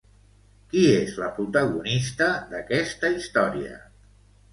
Qui és la protagonista d'aquesta història?